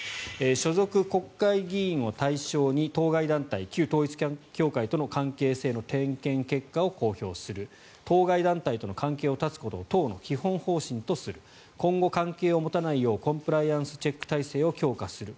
所属国会議員を対象に当該団体、旧統一教会との関係性の点検結果を公表する当該団体との関係を絶つことを党の基本方針とする今後関係を持たないようコンプライアンスチェック体制を強化する。